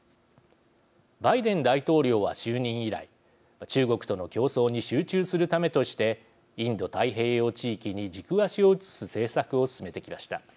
バイデン大統領は、就任以来中国との競争に集中するためとしてインド太平洋地域に軸足を移す政策を進めてきました。